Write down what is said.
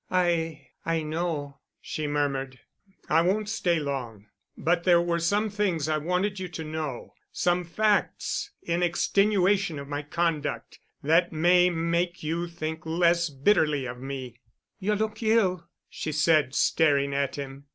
"I—I know," she murmured. "I won't stay long, but there were some things I wanted you to know—some facts in extenuation of my conduct, that may make you think less bitterly of me——" "You look ill," she said, staring at him.